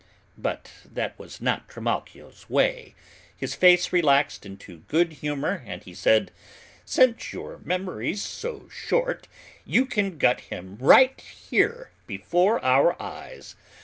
But that was not Trimalchio's way: his face relaxed into good humor and he said, "Since your memory's so short, you can gut him right here before our eyes!"